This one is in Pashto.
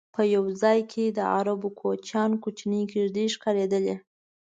په یو ځای کې د عربو کوچیانو کوچنۍ کېږدی ښکارېدلې.